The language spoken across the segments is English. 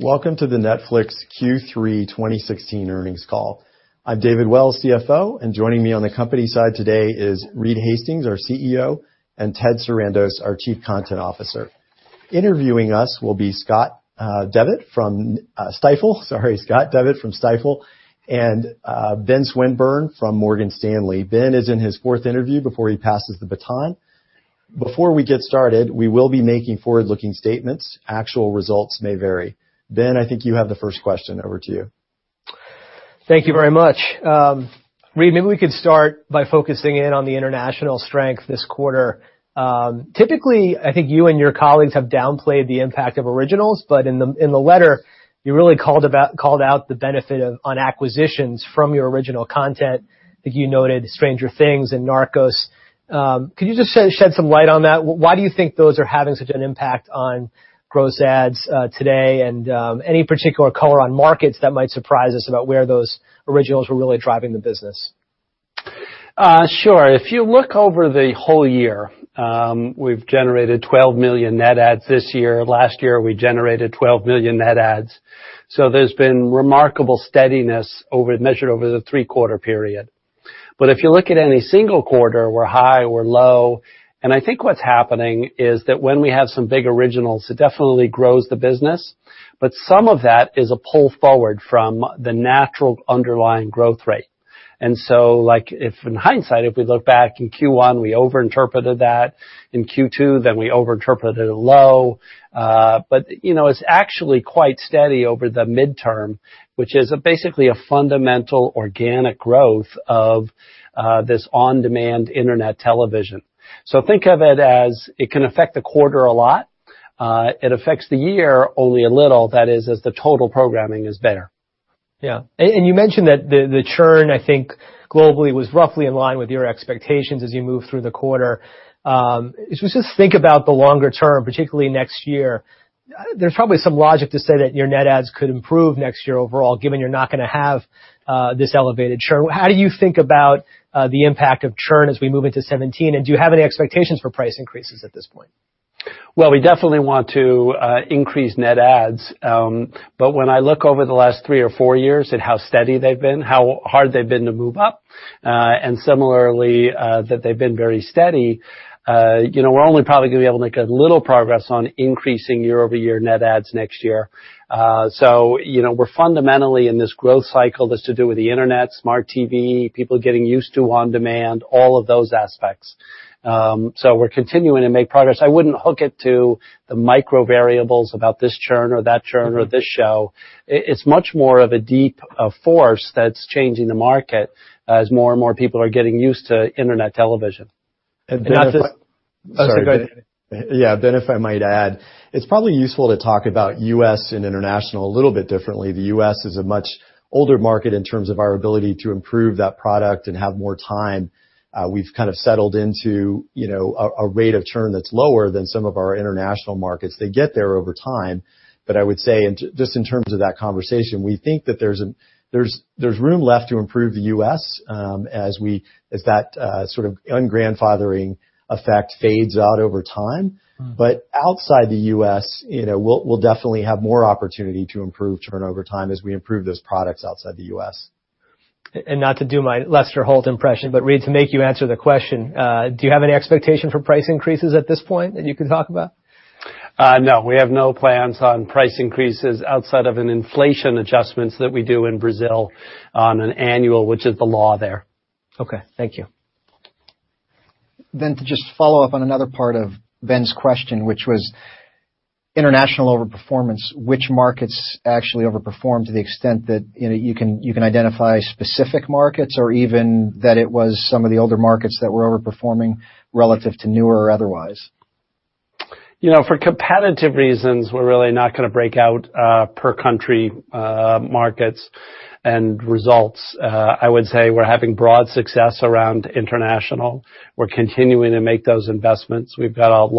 Welcome to the Netflix Q3 2016 earnings call. I'm David Wells, CFO, and joining me on the company side today is Reed Hastings, our CEO, and Ted Sarandos, our Chief Content Officer. Interviewing us will be Scott Devitt from Stifel, and Ben Swinburne from Morgan Stanley. Ben is in his fourth interview before he passes the baton. Before we get started, we will be making forward-looking statements. Actual results may vary. Ben, I think you have the first question. Over to you. Thank you very much. Reed, maybe we could start by focusing in on the international strength this quarter. Typically, I think you and your colleagues have downplayed the impact of originals, but in the letter, you really called out the benefit on acquisitions from your original content. I think you noted "Stranger Things" and "Narcos." Could you just shed some light on that? Why do you think those are having such an impact on gross adds today, and any particular color on markets that might surprise us about where those originals were really driving the business? Sure. If you look over the whole year, we've generated 12 million net adds this year. Last year, we generated 12 million net adds. There's been remarkable steadiness measured over the three-quarter period. If you look at any single quarter, we're high, we're low, and I think what's happening is that when we have some big originals, it definitely grows the business. Some of that is a pull forward from the natural underlying growth rate. If in hindsight, if we look back in Q1, we over-interpreted that. In Q2, then we over-interpreted a low. It's actually quite steady over the midterm, which is basically a fundamental organic growth of this on-demand internet television. Think of it as it can affect the quarter a lot. It affects the year only a little. That is, as the total programming is better. Yeah. You mentioned that the churn, I think, globally was roughly in line with your expectations as you move through the quarter. As we just think about the longer term, particularly next year, there's probably some logic to say that your net adds could improve next year overall, given you're not going to have this elevated churn. How do you think about the impact of churn as we move into 2017, and do you have any expectations for price increases at this point? We definitely want to increase net adds. When I look over the last 3 or 4 years at how steady they've been, how hard they've been to move up, and similarly, that they've been very steady, we're only probably going to be able to make a little progress on increasing year-over-year net adds next year. We're fundamentally in this growth cycle that's to do with the internet, smart TV, people getting used to on-demand, all of those aspects. We're continuing to make progress. I wouldn't hook it to the micro variables about this churn or that churn or this show. It's much more of a deep force that's changing the market as more and more people are getting used to internet television. Ben, if I- Sorry. Go ahead. Yeah. Ben, if I might add, it's probably useful to talk about U.S. and international a little bit differently. The U.S. is a much older market in terms of our ability to improve that product and have more time. We've kind of settled into a rate of churn that's lower than some of our international markets. They get there over time. I would say, just in terms of that conversation, we think that there's room left to improve the U.S. as that sort of un-grandfathering effect fades out over time. outside the U.S., we'll definitely have more opportunity to improve churn over time as we improve those products outside the U.S. Not to do my Lester Holt impression, but Reed, to make you answer the question, do you have any expectation for price increases at this point that you can talk about? No. We have no plans on price increases outside of an inflation adjustments that we do in Brazil on an annual, which is the law there. Okay. Thank you. Ben, to just follow up on another part of Ben's question, which was international overperformance, which markets actually overperformed to the extent that you can identify specific markets or even that it was some of the older markets that were overperforming relative to newer or otherwise? For competitive reasons, we're really not going to break out per-country markets and results. I would say we're having broad success around international. We're continuing to make those investments. We mentioned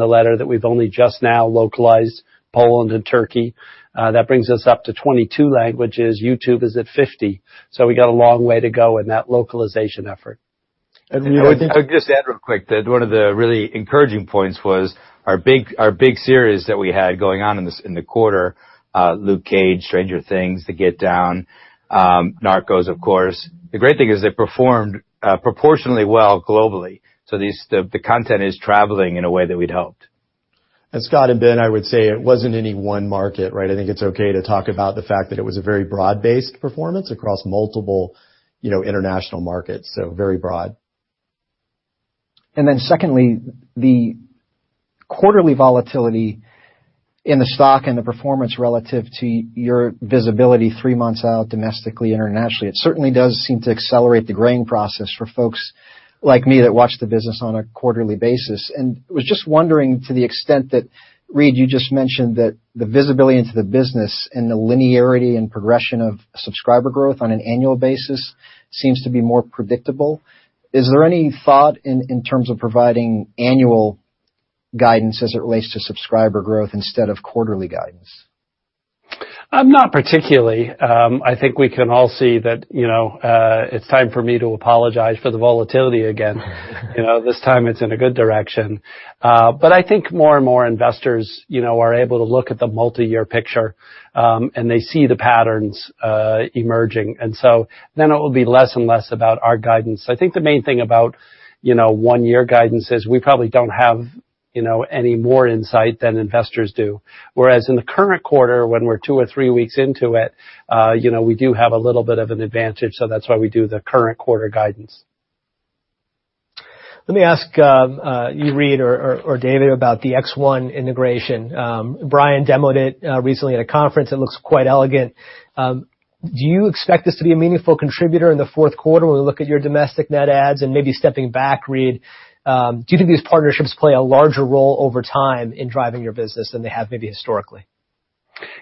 the letter that we've only just now localized Poland and Turkey. That brings us up to 22 languages. YouTube is at 50. We got a long way to go in that localization effort. And you would think- I'll just add real quick that one of the really encouraging points was our big series that we had going on in the quarter, Luke Cage, Stranger Things, The Get Down, Narcos, of course. The great thing is they performed proportionally well globally. The content is traveling in a way that we'd hoped. Scott and Ben, I would say it wasn't any one market, right? It's okay to talk about the fact that it was a very broad-based performance across multiple international markets, so very broad. Secondly, the quarterly volatility in the stock and the performance relative to your visibility 3 months out domestically, internationally. It certainly does seem to accelerate the grain process for folks like me that watch the business on a quarterly basis. Was just wondering to the extent that, Reed, you just mentioned that the visibility into the business and the linearity and progression of subscriber growth on an annual basis seems to be more predictable. Is there any thought in terms of providing annual guidance as it relates to subscriber growth instead of quarterly guidance? Not particularly. I think we can all see that it's time for me to apologize for the volatility again. This time it's in a good direction. I think more and more investors are able to look at the multi-year picture, and they see the patterns emerging. It will be less and less about our guidance. I think the main thing about 1-year guidance is we probably don't have any more insight than investors do. Whereas in the current quarter, when we're 2 or 3 weeks into it, we do have a little bit of an advantage. That's why we do the current quarter guidance. Let me ask you, Reed or David, about the X1 integration. Brian demoed it recently at a conference. It looks quite elegant. Do you expect this to be a meaningful contributor in the fourth quarter when we look at your domestic net adds and maybe stepping back, Reed, do you think these partnerships play a larger role over time in driving your business than they have maybe historically?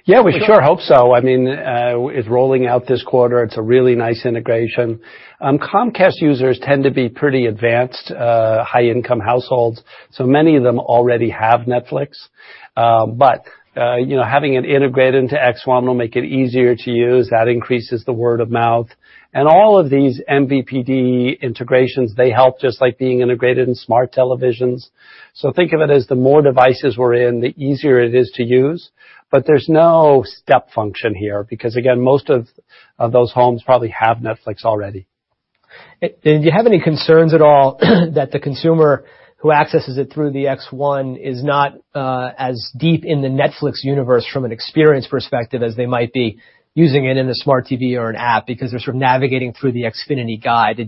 Yeah, we sure hope so. It's rolling out this quarter. It's a really nice integration. Comcast users tend to be pretty advanced, high-income households, many of them already have Netflix. Having it integrated into X1 will make it easier to use. That increases the word of mouth. All of these MVPD integrations, they help just like being integrated in smart televisions. Think of it as the more devices we're in, the easier it is to use. There's no step function here because, again, most of those homes probably have Netflix already. Do you have any concerns at all that the consumer who accesses it through the X1 is not as deep in the Netflix universe from an experience perspective as they might be using it in a smart TV or an app because they're sort of navigating through the Xfinity guide?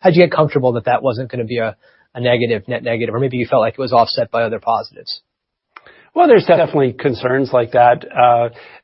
How'd you get comfortable that that wasn't going to be a net negative? Maybe you felt like it was offset by other positives? Well, there's definitely concerns like that.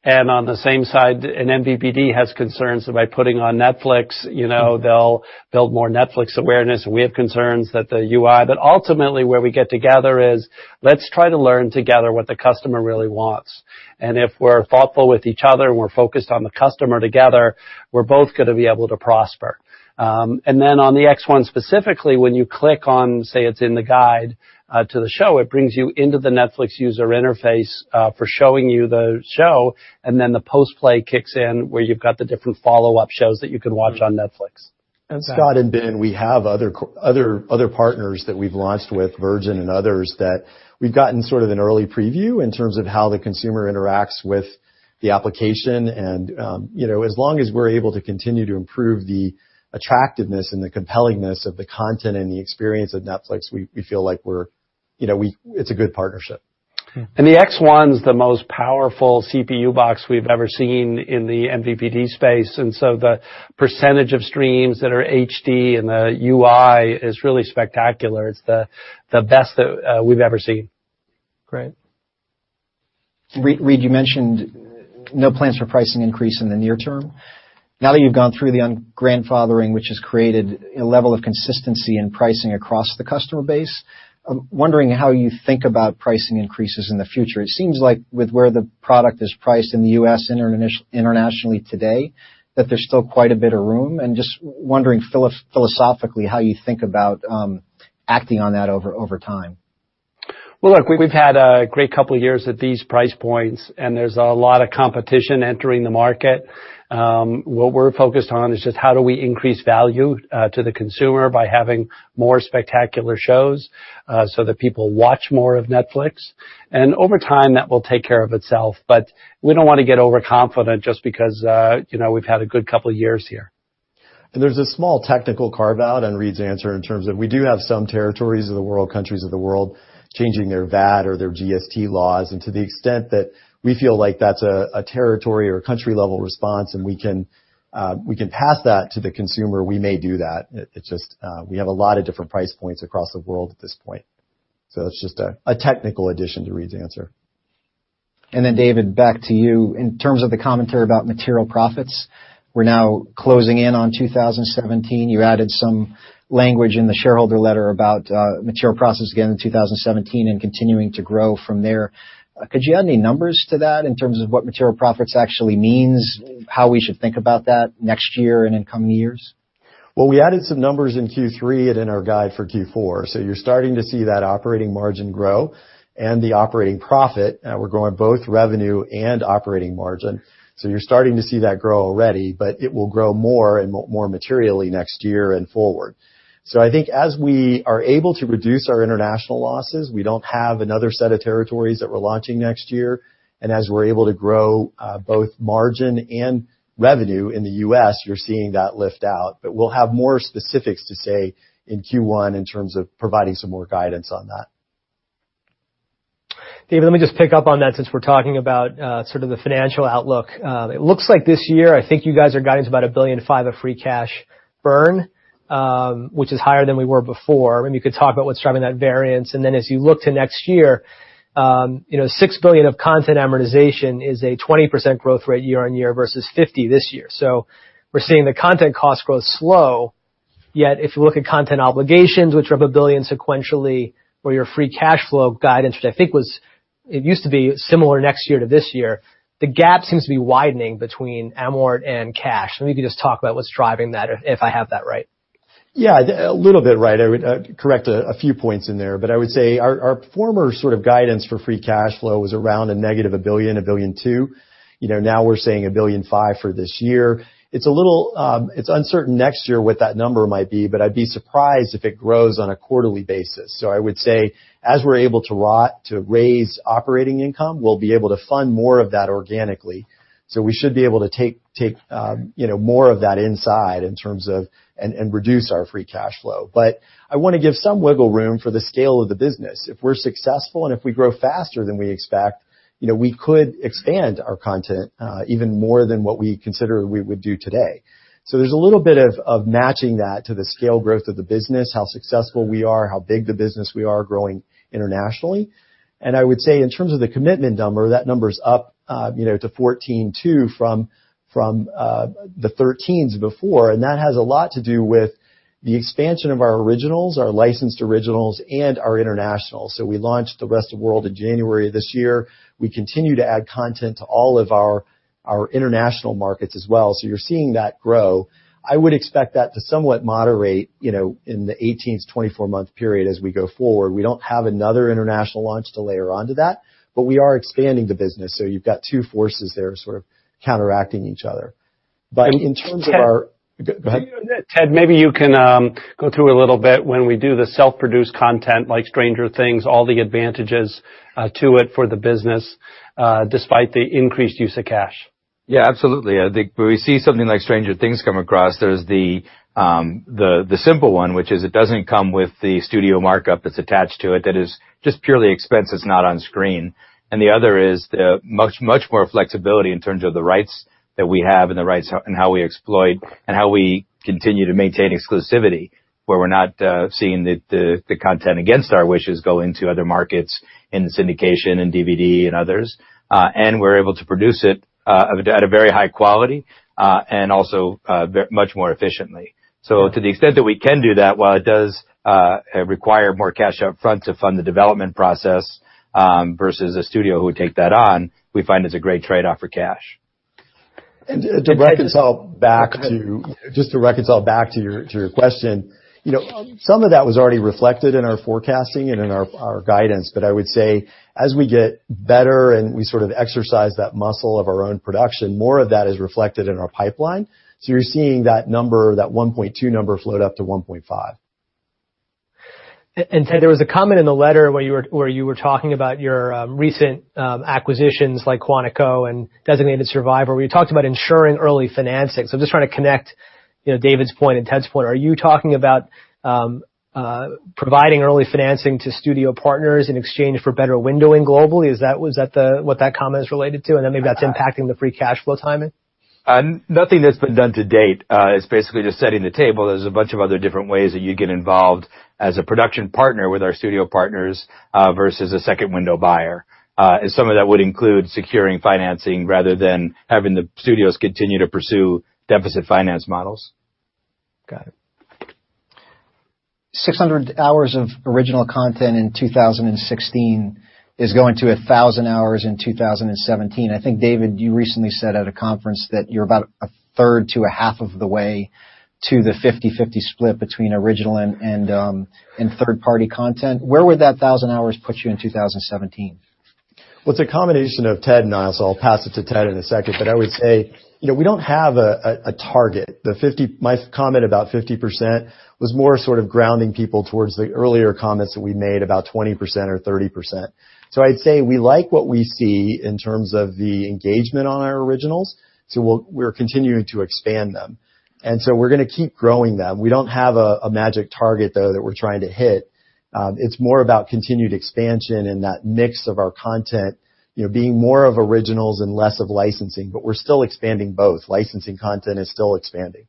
On the same side, an MVPD has concerns that by putting on Netflix, they'll build more Netflix awareness. We have concerns that the UI. Ultimately, where we get together is let's try to learn together what the customer really wants. If we're thoughtful with each other and we're focused on the customer together, we're both going to be able to prosper. On the X1 specifically, when you click on, say it's in the guide to the show, it brings you into the Netflix user interface for showing you the show, then the post-play kicks in where you've got the different follow-up shows that you can watch on Netflix. David. Scott and Ben, we have other partners that we've launched with, Virgin and others, that we've gotten sort of an early preview in terms of how the consumer interacts with the application. As long as we're able to continue to improve the attractiveness and the compellingness of the content and the experience of Netflix, we feel like it's a good partnership. The X1's the most powerful CPU box we've ever seen in the MVPD space, and so the percentage of streams that are HD and the UI is really spectacular. It's the best that we've ever seen. Great. Reed, you mentioned no plans for pricing increase in the near term. Now that you've gone through the grandfathering, which has created a level of consistency in pricing across the customer base, I'm wondering how you think about pricing increases in the future. It seems like with where the product is priced in the U.S., internationally today, that there's still quite a bit of room, and just wondering philosophically how you think about acting on that over time. Well, look, we've had a great couple of years at these price points, and there's a lot of competition entering the market. What we're focused on is just how do we increase value to the consumer by having more spectacular shows so that people watch more of Netflix. Over time, that will take care of itself. We don't want to get overconfident just because we've had a good couple of years here. There's a small technical carve-out on Reed's answer in terms of we do have some territories of the world, countries of the world, changing their VAT or their GST laws, and to the extent that we feel like that's a territory or country-level response, and we can pass that to the consumer, we may do that. It's just we have a lot of different price points across the world at this point. That's just a technical addition to Reed's answer. David, back to you. In terms of the commentary about material profits, we're now closing in on 2017. You added some language in the shareholder letter about material profits again in 2017 and continuing to grow from there. Could you add any numbers to that in terms of what material profits actually means, how we should think about that next year and in coming years? We added some numbers in Q3 and in our guide for Q4. You're starting to see that operating margin grow and the operating profit. We're growing both revenue and operating margin. You're starting to see that grow already, but it will grow more and more materially next year and forward. I think as we are able to reduce our international losses, we don't have another set of territories that we're launching next year. As we're able to grow both margin and revenue in the U.S., you're seeing that lift out. We'll have more specifics to say in Q1 in terms of providing some more guidance on that. David, let me just pick up on that since we're talking about sort of the financial outlook. It looks like this year, I think you guys are guiding about $1.5 billion of free cash burn, which is higher than we were before. Maybe you could talk about what's driving that variance. As you look to next year, $6 billion of content amortization is a 20% growth rate year-on-year versus 50% this year. We're seeing the content cost grow slow, yet if you look at content obligations, which are up $1 billion sequentially, where your free cash flow guidance, which I think it used to be similar next year to this year, the gap seems to be widening between amort and cash. Maybe just talk about what's driving that, if I have that right. Yeah, a little bit. I would correct a few points in there. I would say our former sort of guidance for free cash flow was around a negative $1 billion, $1.2 billion. We're saying $1.5 billion for this year. It's uncertain next year what that number might be, but I'd be surprised if it grows on a quarterly basis. I would say, as we're able to raise operating income, we'll be able to fund more of that organically. We should be able to take more of that inside and reduce our free cash flow. I want to give some wiggle room for the scale of the business. If we're successful, and if we grow faster than we expect, we could expand our content even more than what we consider we would do today. There's a little bit of matching that to the scale growth of the business, how successful we are, how big the business we are growing internationally. I would say, in terms of the commitment number, that number's up to 14.2 from the 13s before, and that has a lot to do with the expansion of our originals, our licensed originals, and our internationals. We launched the rest of world in January this year. We continue to add content to all of our international markets as well. You're seeing that grow. I would expect that to somewhat moderate in the 18 to 24-month period as we go forward. We don't have another international launch to layer onto that, but we are expanding the business, so you've got two forces there sort of counteracting each other. In terms of Go ahead. Ted, maybe you can go through a little bit when we do the self-produced content like "Stranger Things," all the advantages to it for the business, despite the increased use of cash. Yeah, absolutely. I think when we see something like "Stranger Things" come across, there's the simple one, which is it doesn't come with the studio markup that's attached to it that is just purely expense that's not on screen. The other is much more flexibility in terms of the rights that we have and how we exploit and how we continue to maintain exclusivity, where we're not seeing the content against our wishes go into other markets in syndication and DVD and others. We're able to produce it at a very high quality, and also much more efficiently. To the extent that we can do that, while it does require more cash up front to fund the development process versus a studio who would take that on, we find it's a great trade-off for cash. Just to reconcile back to your question, some of that was already reflected in our forecasting and in our guidance, I would say, as we get better and we sort of exercise that muscle of our own production, more of that is reflected in our pipeline. You're seeing that number, that 1.2 number float up to 1.5. Ted, there was a comment in the letter where you were talking about your recent acquisitions like "Quantico" and "Designated Survivor," where you talked about ensuring early financing. I'm just trying to connect David's point and Ted's point. Are you talking about providing early financing to studio partners in exchange for better windowing globally? Is that what that comment is related to? Then maybe that's impacting the free cash flow timing? Nothing that's been done to date. It's basically just setting the table. There's a bunch of other different ways that you get involved as a production partner with our studio partners versus a second window buyer. Some of that would include securing financing rather than having the studios continue to pursue deficit finance models. Got it. 600 hours of original content in 2016 is going to 1,000 hours in 2017. I think, David, you recently said at a conference that you're about a third to a half of the way to the 50/50 split between original and third-party content. Where would that 1,000 hours put you in 2017? Well, it's a combination of Ted and I. I'll pass it to Ted in a second. I would say, we don't have a target. My comment about 50% was more sort of grounding people towards the earlier comments that we made about 20% or 30%. I'd say we like what we see in terms of the engagement on our originals, we're continuing to expand them. We're going to keep growing them. We don't have a magic target, though, that we're trying to hit. It's more about continued expansion and that mix of our content being more of originals and less of licensing. We're still expanding both. Licensing content is still expanding.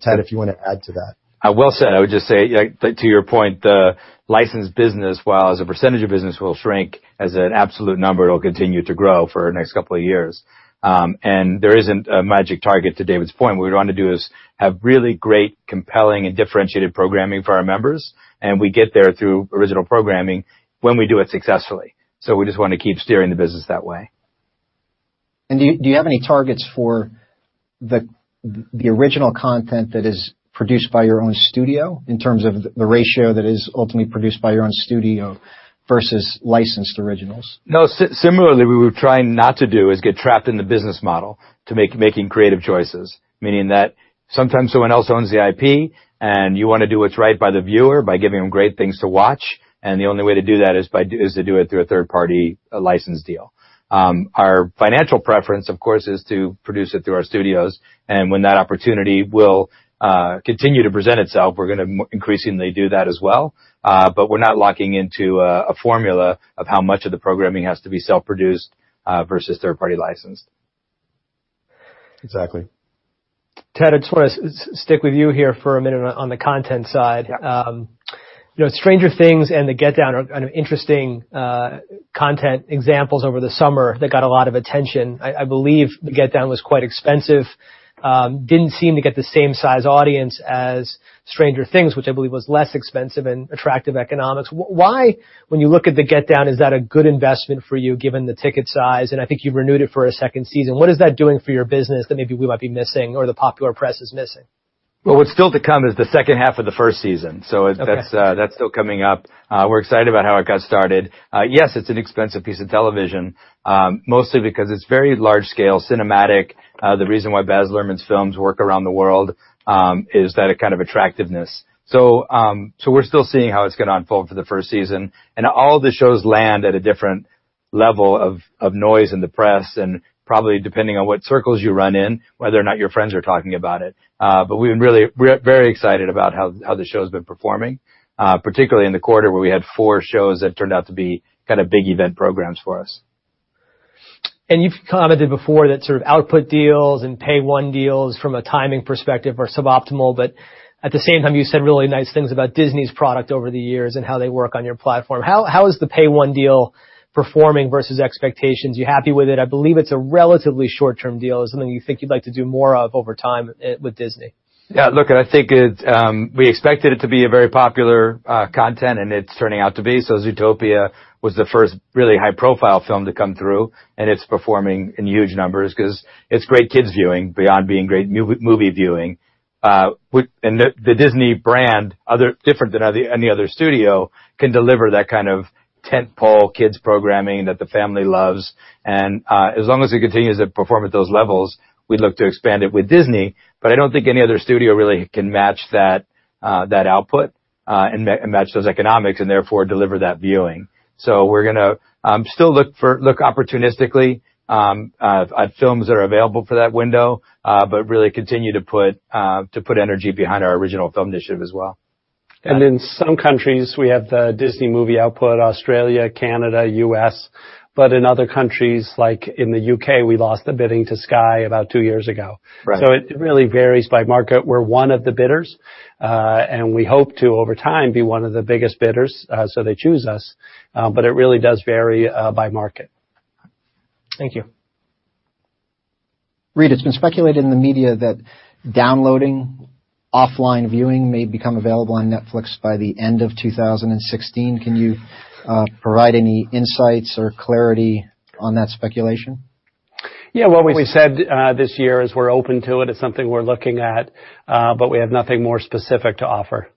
Ted, if you want to add to that. Well said. I would just say, to your point, the license business, while as a percentage of business will shrink, as an absolute number, it'll continue to grow for the next couple of years. There isn't a magic target, to David's point. What we want to do is have really great, compelling, and differentiated programming for our members, and we get there through original programming when we do it successfully. We just want to keep steering the business that way. Do you have any targets for the original content that is produced by your own studio in terms of the ratio that is ultimately produced by your own studio versus licensed originals? No. Similarly, we were trying not to do is get trapped in the business model to making creative choices. Meaning that sometimes someone else owns the IP and you want to do what's right by the viewer by giving them great things to watch, and the only way to do that is to do it through a third-party license deal. Our financial preference, of course, is to produce it through our studios, and when that opportunity will continue to present itself, we're going to increasingly do that as well. We're not locking into a formula of how much of the programming has to be self-produced versus third-party licensed. Exactly. Ted, I just want to stick with you here for a minute on the content side. Yeah. Stranger Things" and "The Get Down" are kind of interesting content examples over the summer that got a lot of attention. I believe "The Get Down" was quite expensive. Didn't seem to get the same size audience as "Stranger Things," which I believe was less expensive and attractive economics. Why, when you look at "The Get Down," is that a good investment for you given the ticket size? I think you've renewed it for a second season. What is that doing for your business that maybe we might be missing or the popular press is missing? Well, what's still to come is the second half of the first season. Okay. That's still coming up. We're excited about how it got started. Yes, it's an expensive piece of television, mostly because it's very large-scale, cinematic. The reason why Baz Luhrmann's films work around the world is that kind of attractiveness. We're still seeing how it's going to unfold for the first season. All the shows land at a different level of noise in the press and probably depending on what circles you run in, whether or not your friends are talking about it. We're very excited about how the show's been performing, particularly in the quarter where we had four shows that turned out to be big event programs for us. You've commented before that output deals and pay-one deals from a timing perspective are suboptimal, but at the same time, you said really nice things about Disney's product over the years and how they work on your platform. How is the pay-one deal performing versus expectations? You happy with it? I believe it's a relatively short-term deal. Is it something you think you'd like to do more of over time with Disney? I think we expected it to be a very popular content, and it's turning out to be. Zootopia was the first really high-profile film to come through, and it's performing in huge numbers because it's great kids viewing beyond being great movie viewing. The Disney brand, different than any other studio, can deliver that kind of tent-pole kids programming that the family loves. As long as it continues to perform at those levels, we'd look to expand it with Disney. I don't think any other studio really can match that output and match those economics, and therefore deliver that viewing. We're going to still look opportunistically at films that are available for that window, but really continue to put energy behind our original film initiative as well. Got it. In some countries, we have the Disney movie output, Australia, Canada, U.S. In other countries, like in the U.K., we lost the bidding to Sky about two years ago. Right. It really varies by market. We're one of the bidders, and we hope to, over time, be one of the biggest bidders so they choose us. It really does vary by market. Thank you. Reed, it's been speculated in the media that downloading offline viewing may become available on Netflix by the end of 2016. Can you provide any insights or clarity on that speculation? Yeah. What we said this year is we're open to it. It's something we're looking at. We have nothing more specific to offer.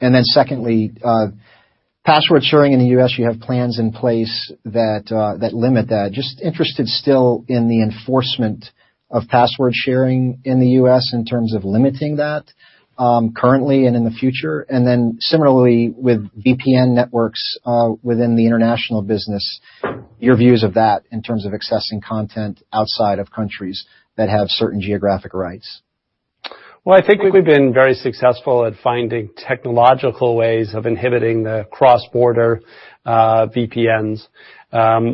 Secondly, password sharing in the U.S., you have plans in place that limit that. Just interested still in the enforcement of password sharing in the U.S. in terms of limiting that currently and in the future. Similarly, with VPN networks within the international business, your views of that in terms of accessing content outside of countries that have certain geographic rights. Well, I think we've been very successful at finding technological ways of inhibiting the cross-border VPNs,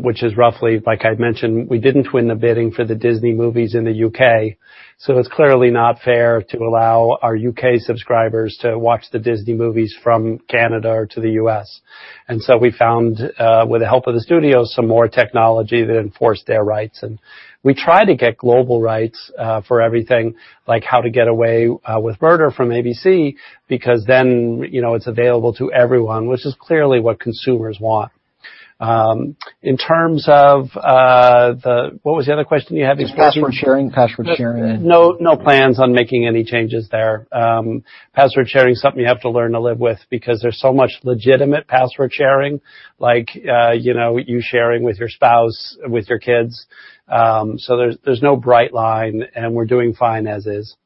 which is roughly, like I mentioned, we didn't win the bidding for the Disney movies in the U.K., so it's clearly not fair to allow our U.K. subscribers to watch the Disney movies from Canada to the U.S. We found, with the help of the studios, some more technology that enforced their rights. We try to get global rights for everything, like How to Get Away with Murder from ABC, because then it's available to everyone, which is clearly what consumers want. In terms of what was the other question you had? Just password sharing. No plans on making any changes there. Password sharing is something you have to learn to live with because there's so much legitimate password sharing, like you sharing with your spouse, with your kids. There's no bright line, and we're doing fine as is.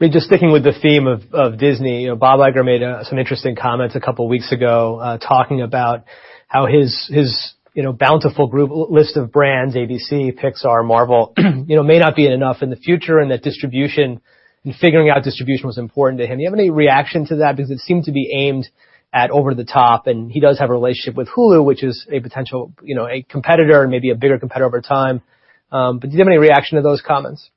Reed, just sticking with the theme of Disney. Bob Iger made some interesting comments a couple of weeks ago, talking about how his bountiful group list of brands, ABC, Pixar, Marvel, may not be enough in the future, and that distribution and figuring out distribution was important to him. Do you have any reaction to that? Because it seemed to be aimed at over-the-top, and he does have a relationship with Hulu, which is a potential competitor and maybe a bigger competitor over time. Do you have any reaction to those comments?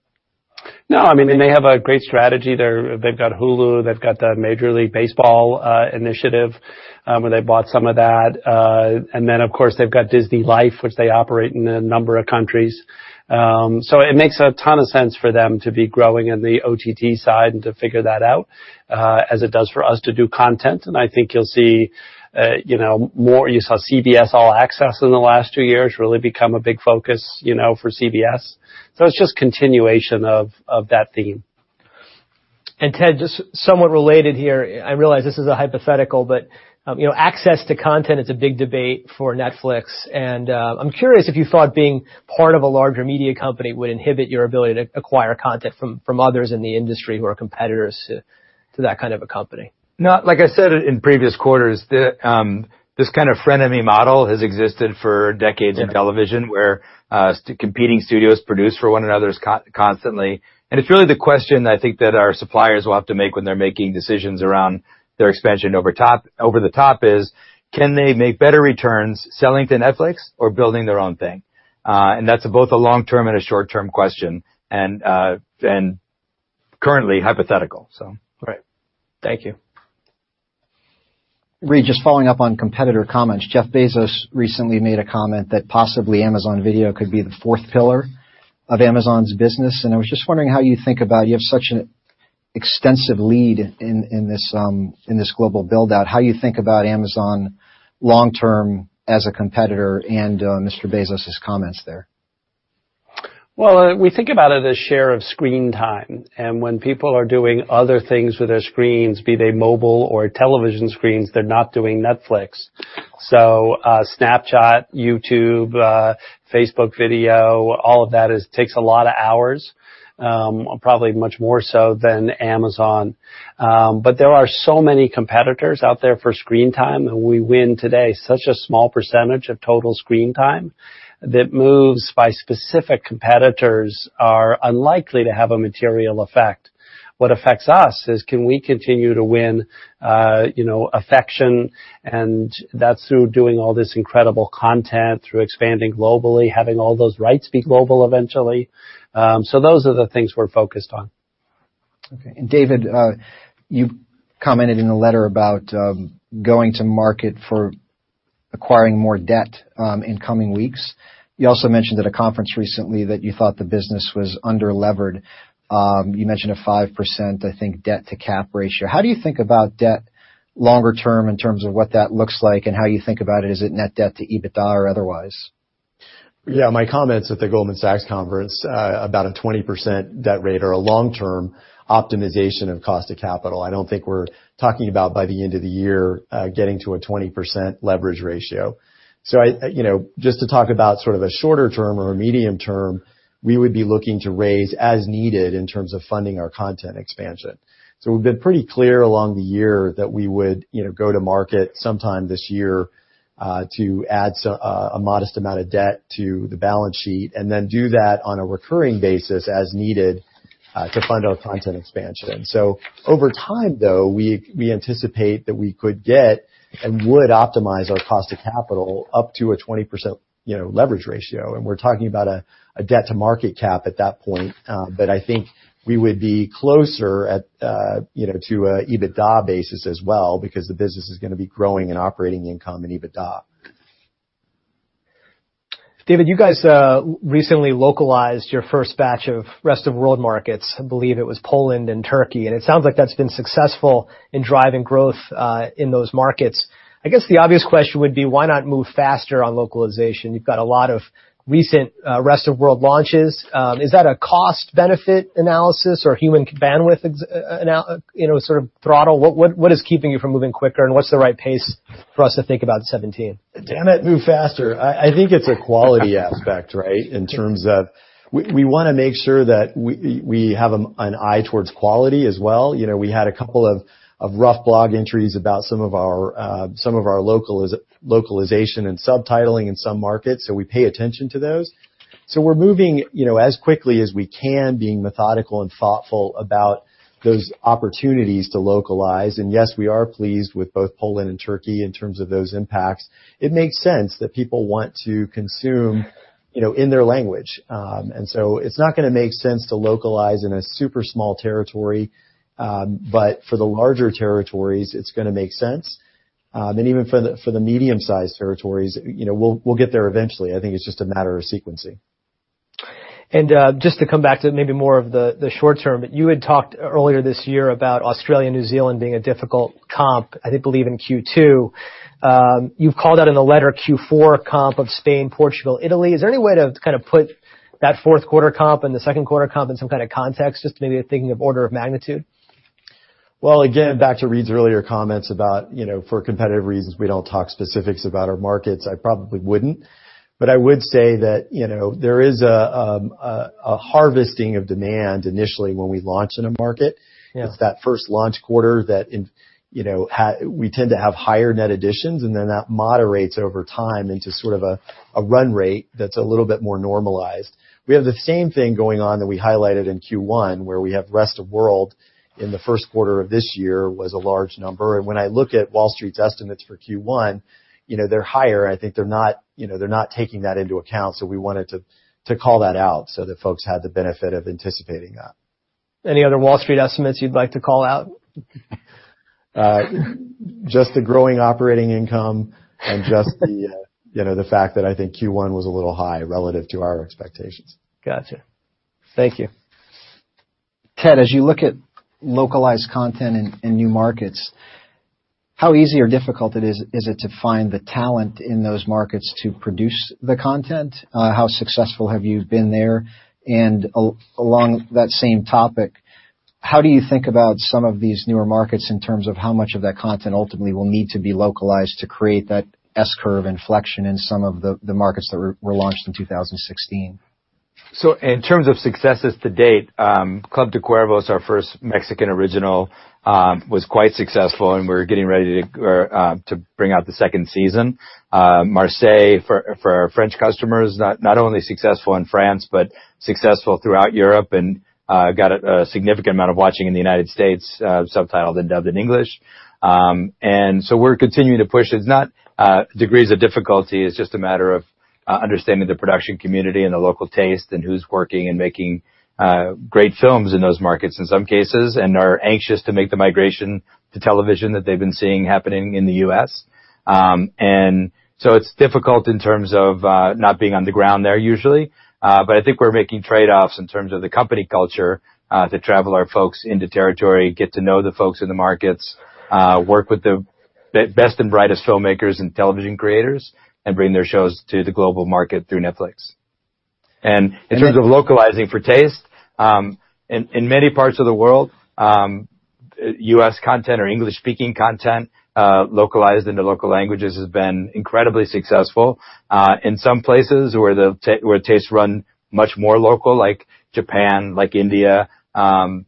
No. They have a great strategy there. They've got Hulu, they've got the Major League Baseball initiative where they bought some of that. Then, of course, they've got DisneyLife, which they operate in a number of countries. It makes a ton of sense for them to be growing in the OTT side and to figure that out, as it does for us to do content. I think you'll see more. You saw CBS All Access in the last two years really become a big focus for CBS. It's just continuation of that theme. Ted, just somewhat related here. I realize this is a hypothetical, but access to content is a big debate for Netflix, and I'm curious if you thought being part of a larger media company would inhibit your ability to acquire content from others in the industry who are competitors to that kind of a company. No. Like I said in previous quarters, this kind of frenemy model has existed for decades in television, where competing studios produce for one another constantly. It's really the question, I think, that our suppliers will have to make when they're making decisions around their expansion over the top is: Can they make better returns selling to Netflix or building their own thing? That's both a long-term and a short-term question, and currently hypothetical. Right. Thank you. Reed, just following up on competitor comments. Jeff Bezos recently made a comment that possibly Amazon Video could be the fourth pillar of Amazon's business, I was just wondering how you think about-- You have such an- extensive lead in this global build-out, how you think about Amazon long-term as a competitor and Mr. Bezos's comments there? Well, we think about it as share of screen time. When people are doing other things with their screens, be they mobile or television screens, they're not doing Netflix. Snapchat, YouTube, Facebook Video, all of that takes a lot of hours, probably much more so than Amazon. There are so many competitors out there for screen time, and we win today such a small percentage of total screen time that moves by specific competitors are unlikely to have a material effect. What affects us is can we continue to win affection, and that's through doing all this incredible content, through expanding globally, having all those rights be global eventually. Those are the things we're focused on. Okay. David, you commented in a letter about going to market for acquiring more debt in coming weeks. You also mentioned at a conference recently that you thought the business was under-levered. You mentioned a 5%, I think, debt-to-cap ratio. How do you think about debt longer term in terms of what that looks like and how you think about it? Is it net debt to EBITDA or otherwise? Yeah, my comments at the Goldman Sachs conference about a 20% debt rate are a long-term optimization of cost of capital. I don't think we're talking about by the end of the year getting to a 20% leverage ratio. Just to talk about sort of a shorter term or a medium term, we would be looking to raise as needed in terms of funding our content expansion. We've been pretty clear along the year that we would go to market sometime this year to add a modest amount of debt to the balance sheet, and then do that on a recurring basis as needed to fund our content expansion. Over time, though, we anticipate that we could get and would optimize our cost of capital up to a 20% leverage ratio, and we're talking about a debt to market cap at that point. I think we would be closer to an EBITDA basis as well because the business is going to be growing in operating income and EBITDA. David, you guys recently localized your first batch of rest-of-world markets. I believe it was Poland and Turkey. It sounds like that's been successful in driving growth in those markets. I guess the obvious question would be why not move faster on localization? You've got a lot of recent rest-of-world launches. Is that a cost-benefit analysis or human bandwidth sort of throttle? What is keeping you from moving quicker, and what's the right pace for us to think about 2017? Damn it, move faster. I think it's a quality aspect, right? In terms of we want to make sure that we have an eye towards quality as well. We had a couple of rough blog entries about some of our localization and subtitling in some markets, we pay attention to those. We're moving as quickly as we can, being methodical and thoughtful about those opportunities to localize. Yes, we are pleased with both Poland and Turkey in terms of those impacts. It makes sense that people want to consume in their language. It's not going to make sense to localize in a super small territory. For the larger territories, it's going to make sense. Even for the medium-sized territories, we'll get there eventually. I think it's just a matter of sequencing. Just to come back to maybe more of the short term, you had talked earlier this year about Australia and New Zealand being a difficult comp, I believe in Q2. You've called out in the letter Q4 comp of Spain, Portugal, Italy. Is there any way to kind of put that fourth quarter comp and the second quarter comp in some kind of context, just maybe thinking of order of magnitude? Well, again, back to Reed's earlier comments about for competitive reasons, we don't talk specifics about our markets. I probably wouldn't. I would say that there is a harvesting of demand initially when we launch in a market. Yeah. It's that first launch quarter that we tend to have higher net additions, and then that moderates over time into sort of a run rate that's a little bit more normalized. We have the same thing going on that we highlighted in Q1, where we have rest of world in the first quarter of this year was a large number, and when I look at Wall Street's estimates for Q1, they're higher. I think they're not taking that into account. We wanted to call that out so that folks had the benefit of anticipating that. Any other Wall Street estimates you'd like to call out? Just the growing operating income and just the fact that I think Q1 was a little high relative to our expectations. Got you. Thank you. Ted, as you look at localized content in new markets, how easy or difficult is it to find the talent in those markets to produce the content? How successful have you been there? Along that same topic, how do you think about some of these newer markets in terms of how much of that content ultimately will need to be localized to create that S-curve inflection in some of the markets that were launched in 2016? In terms of successes to date, "Club de Cuervos," our first Mexican original was quite successful, and we're getting ready to bring out the second season. "Marseille" for our French customers, not only successful in France but successful throughout Europe and got a significant amount of watching in the U.S., subtitled and dubbed in English. We're continuing to push. It's not degrees of difficulty, it's just a matter of understanding the production community and the local taste and who's working and making great films in those markets in some cases and are anxious to make the migration to television that they've been seeing happening in the U.S. It's difficult in terms of not being on the ground there usually. I think we're making trade-offs in terms of the company culture to travel our folks into territory, get to know the folks in the markets, work with the best and brightest filmmakers and television creators, and bring their shows to the global market through Netflix. In terms of localizing for taste, in many parts of the world, U.S. content or English-speaking content localized into local languages has been incredibly successful. In some places where tastes run much more local, like Japan, like India,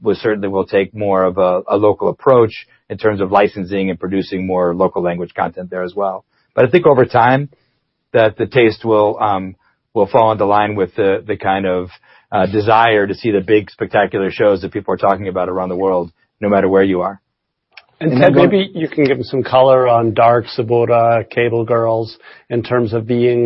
we certainly will take more of a local approach in terms of licensing and producing more local language content there as well. I think over time, that the taste will fall into line with the kind of desire to see the big, spectacular shows that people are talking about around the world, no matter where you are. Ted, maybe you can give me some color on "Dark," "Suburra," "Cable Girls" in terms of being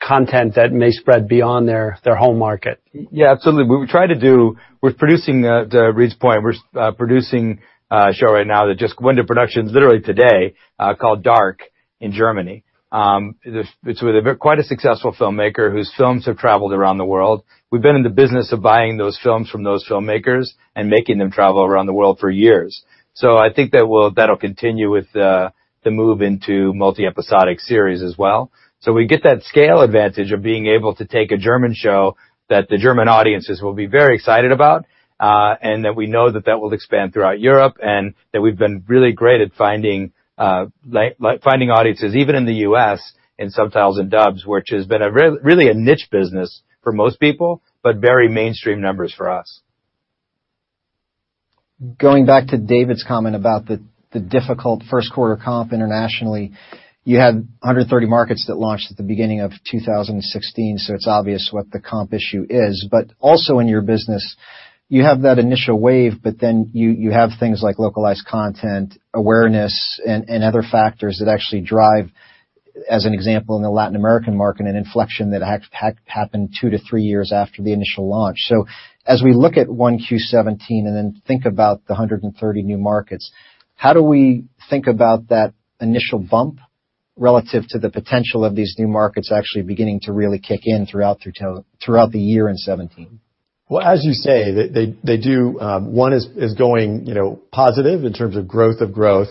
content that may spread beyond their home market. Yeah, absolutely. To Reed's point, we're producing a show right now that just went into production literally today, called "Dark" in Germany. It's with quite a successful filmmaker whose films have traveled around the world. We've been in the business of buying those films from those filmmakers and making them travel around the world for years. I think that'll continue with the move into multi-episodic series as well. We get that scale advantage of being able to take a German show that the German audiences will be very excited about, and that we know that will expand throughout Europe, and that we've been really great at finding audiences, even in the U.S., in subtitles and dubs, which has been really a niche business for most people, but very mainstream numbers for us. Going back to David's comment about the difficult first quarter comp internationally, you had 130 markets that launched at the beginning of 2016, it's obvious what the comp issue is. Also in your business, you have that initial wave, then you have things like localized content, awareness, and other factors that actually drive, as an example, in the Latin American market, an inflection that happened two to three years after the initial launch. As we look at 1Q17 and then think about the 130 new markets, how do we think about that initial bump relative to the potential of these new markets actually beginning to really kick in throughout the year in 2017? Well, as you say, one is going positive in terms of growth of growth,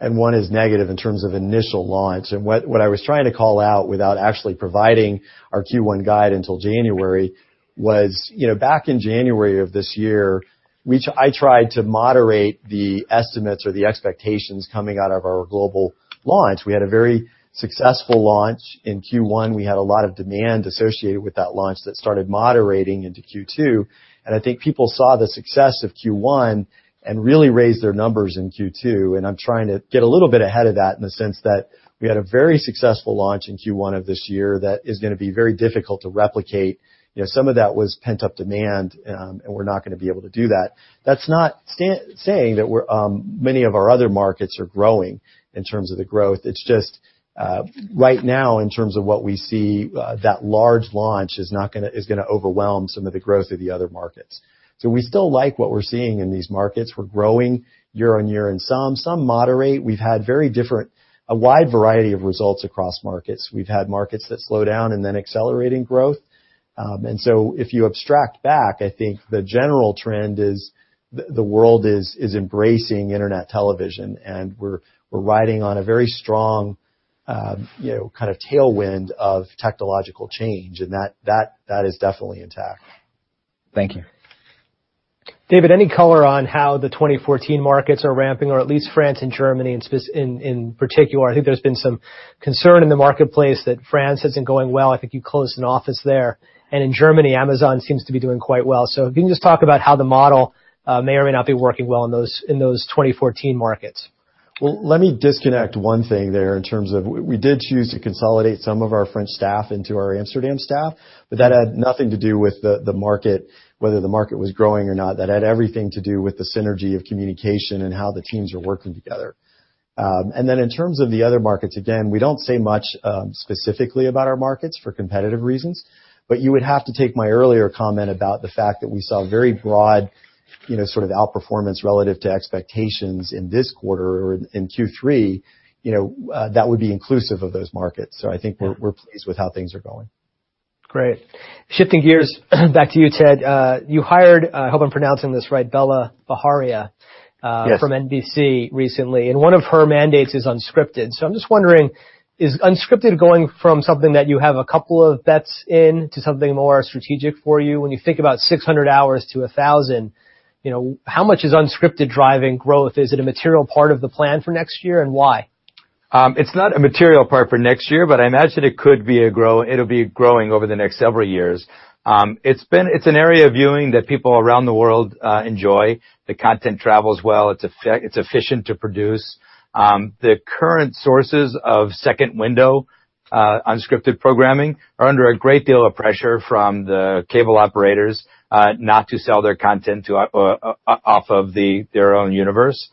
and one is negative in terms of initial launch. What I was trying to call out without actually providing our Q1 guide until January was, back in January of this year, I tried to moderate the estimates or the expectations coming out of our global launch. We had a very successful launch in Q1. We had a lot of demand associated with that launch that started moderating into Q2. I think people saw the success of Q1 and really raised their numbers in Q2. I'm trying to get a little bit ahead of that in the sense that we had a very successful launch in Q1 of this year that is going to be very difficult to replicate. Some of that was pent-up demand, we're not going to be able to do that. That's not saying that many of our other markets are growing in terms of the growth. It's just right now, in terms of what we see, that large launch is going to overwhelm some of the growth of the other markets. We still like what we're seeing in these markets. We're growing year-on-year in some. Some moderate. We've had a wide variety of results across markets. We've had markets that slow down and then accelerating growth. If you abstract back, I think the general trend is the world is embracing internet television, and we're riding on a very strong kind of tailwind of technological change, and that is definitely intact. Thank you. David, any color on how the 2014 markets are ramping, or at least France and Germany in particular? I think there's been some concern in the marketplace that France isn't going well. I think you closed an office there. In Germany, Amazon seems to be doing quite well. If you can just talk about how the model may or may not be working well in those 2014 markets. Let me disconnect one thing there in terms of we did choose to consolidate some of our French staff into our Amsterdam staff, but that had nothing to do with the market, whether the market was growing or not. That had everything to do with the synergy of communication and how the teams are working together. In terms of the other markets, again, we don't say much specifically about our markets for competitive reasons, you would have to take my earlier comment about the fact that we saw very broad sort of outperformance relative to expectations in this quarter or in Q3. That would be inclusive of those markets. I think we're pleased with how things are going. Great. Shifting gears back to you, Ted. You hired, I hope I'm pronouncing this right, Bela Bajaria. Yes from NBC recently, One of her mandates is unscripted. I'm just wondering, is unscripted going from something that you have a couple of bets in to something more strategic for you? When you think about 600 hours to 1,000, how much is unscripted driving growth? Is it a material part of the plan for next year, and why? It's not a material part for next year, but I imagine it'll be growing over the next several years. It's an area of viewing that people around the world enjoy. The content travels well. It's efficient to produce. The current sources of second window unscripted programming are under a great deal of pressure from the cable operators not to sell their content off of their own universe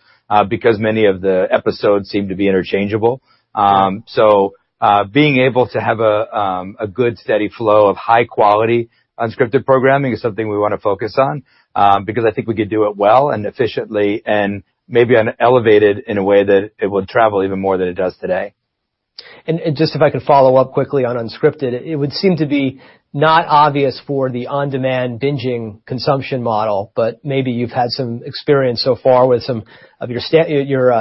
because many of the episodes seem to be interchangeable. Being able to have a good, steady flow of high-quality, unscripted programming is something we want to focus on because I think we could do it well and efficiently, and maybe elevate it in a way that it would travel even more than it does today. Just if I could follow up quickly on unscripted, it would seem to be not obvious for the on-demand binging consumption model, but maybe you've had some experience so far with some of your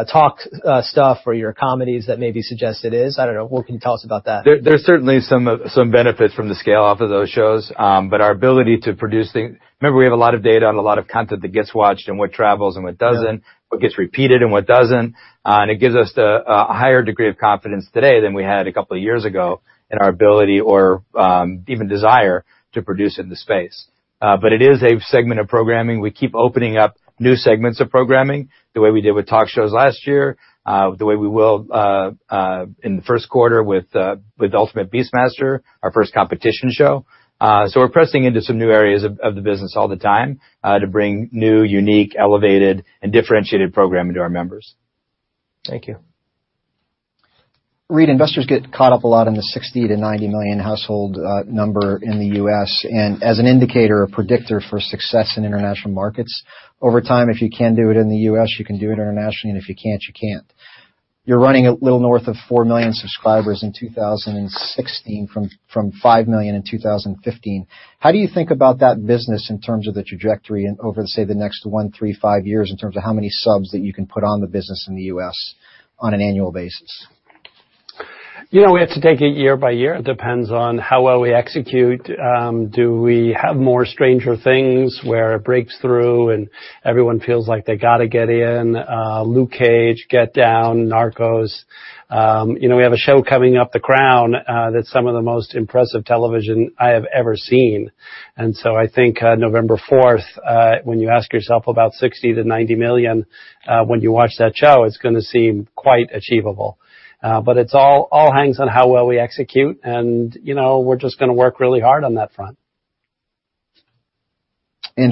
talk stuff or your comedies that maybe suggest it is. I don't know. What can you tell us about that? There's certainly some benefits from the scale off of those shows. Our ability to produce things. Remember we have a lot of data on a lot of content that gets watched and what travels and what doesn't, what gets repeated and what doesn't. It gives us a higher degree of confidence today than we had a couple of years ago in our ability or even desire to produce in the space. It is a segment of programming. We keep opening up new segments of programming, the way we did with talk shows last year, the way we will in the first quarter with "Ultimate Beastmaster," our first competition show. We're pressing into some new areas of the business all the time to bring new, unique, elevated, and differentiated programming to our members. Thank you. Reed, investors get caught up a lot in the $60 million-$90 million household number in the U.S. As an indicator or predictor for success in international markets, over time, if you can do it in the U.S., you can do it internationally, if you can't, you can't. You're running a little north of $4 million subscribers in 2016 from $5 million in 2015. How do you think about that business in terms of the trajectory and over, say, the next one, three, five years in terms of how many subs that you can put on the business in the U.S. on an annual basis? We have to take it year by year. It depends on how well we execute. Do we have more "Stranger Things" where it breaks through and everyone feels like they got to get in? Luke Cage, The Get Down, Narcos. We have a show coming up, The Crown, that's some of the most impressive television I have ever seen. I think November 4th, when you ask yourself about $60 million-$90 million, when you watch that show, it's going to seem quite achievable. It all hangs on how well we execute, we're just going to work really hard on that front.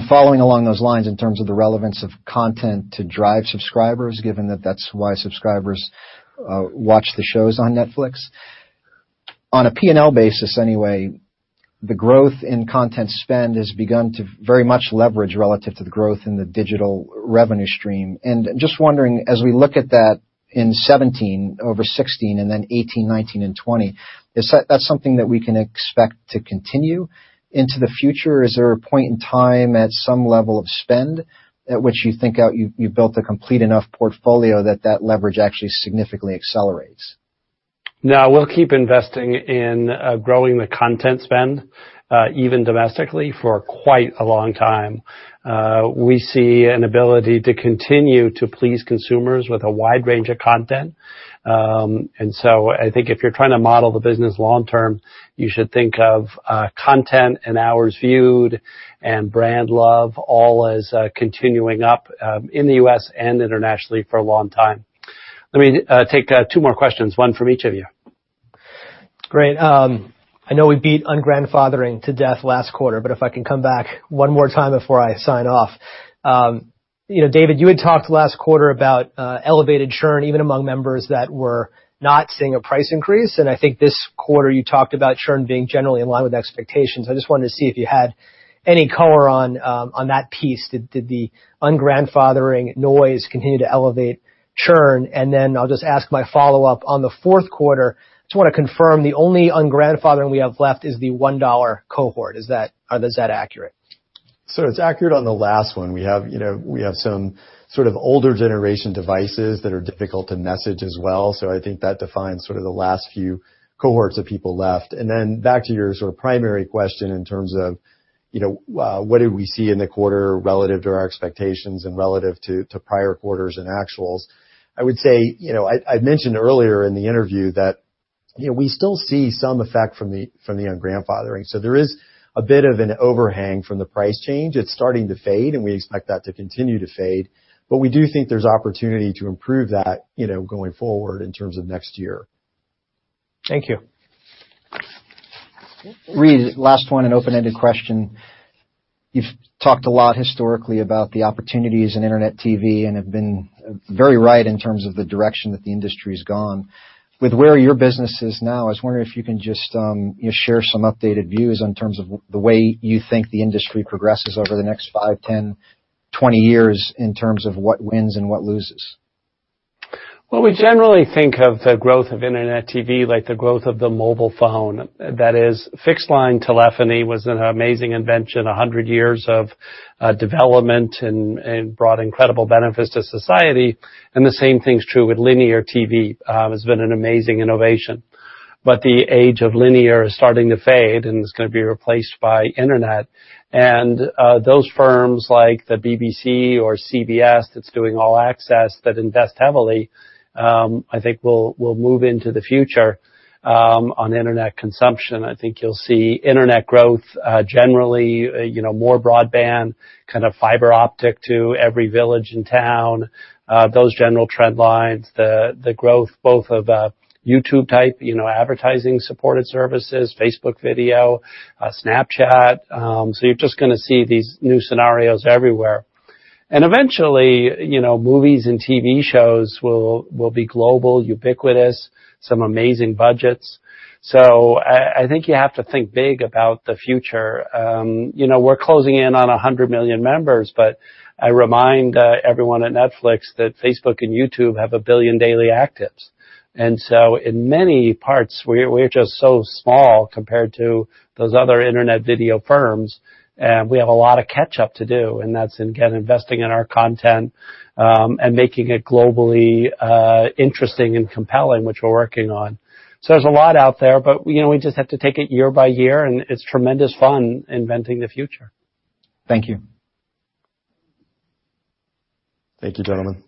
Following along those lines in terms of the relevance of content to drive subscribers, given that that's why subscribers watch the shows on Netflix. On a P&L basis anyway, the growth in content spend has begun to very much leverage relative to the growth in the digital revenue stream. Just wondering, as we look at that in 2017 over 2016 and then 2018, 2019, and 2020, is that something that we can expect to continue into the future? Is there a point in time at some level of spend at which you think you've built a complete enough portfolio that leverage actually significantly accelerates? No, we'll keep investing in growing the content spend, even domestically, for quite a long time. We see an ability to continue to please consumers with a wide range of content. I think if you're trying to model the business long term, you should think of content and hours viewed and brand love all as continuing up, in the U.S. and internationally, for a long time. Let me take two more questions, one from each of you. Great. I know we beat un-grandfathering to death last quarter. If I can come back one more time before I sign off. David, you had talked last quarter about elevated churn, even among members that were not seeing a price increase. I think this quarter you talked about churn being generally in line with expectations. I just wanted to see if you had any color on that piece. Did the un-grandfathering noise continue to elevate churn? I'll just ask my follow-up. On the fourth quarter, I just want to confirm the only un-grandfathering we have left is the $1 cohort. Is that accurate? It's accurate on the last one. We have some sort of older generation devices that are difficult to message as well. I think that defines the last few cohorts of people left. Back to your primary question in terms of what did we see in the quarter relative to our expectations and relative to prior quarters and actuals. I would say, I mentioned earlier in the interview that we still see some effect from the un-grandfathering. There is a bit of an overhang from the price change. It's starting to fade. We expect that to continue to fade. We do think there's opportunity to improve that going forward in terms of next year. Thank you. Reed, last one, an open-ended question. You've talked a lot historically about the opportunities in internet TV and have been very right in terms of the direction that the industry's gone. With where your business is now, I was wondering if you can just share some updated views on terms of the way you think the industry progresses over the next five, 10, 20 years in terms of what wins and what loses. We generally think of the growth of internet TV like the growth of the mobile phone. That is, fixed line telephony was an amazing invention, 100 years of development and brought incredible benefits to society. The same thing's true with linear TV. It's been an amazing innovation. The age of linear is starting to fade, and it's going to be replaced by internet. Those firms like the BBC or CBS that's doing All Access that invest heavily, I think will move into the future on internet consumption. I think you'll see internet growth generally, more broadband, kind of fiber optic to every village and town, those general trend lines, the growth both of YouTube type advertising-supported services, Facebook Video, Snapchat. You're just going to see these new scenarios everywhere. Eventually, movies and TV shows will be global, ubiquitous, some amazing budgets. I think you have to think big about the future. We're closing in on 100 million members, but I remind everyone at Netflix that Facebook and YouTube have 1 billion daily actives. In many parts, we're just so small compared to those other internet video firms, and we have a lot of catch-up to do. That's, again, investing in our content and making it globally interesting and compelling, which we're working on. There's a lot out there, but we just have to take it year by year, and it's tremendous fun inventing the future. Thank you. Thank you, gentlemen.